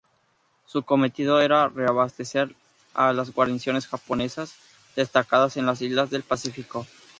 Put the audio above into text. Su cometido era reabastecer a las guarniciones japonesas destacadas en las islas del Pacífico.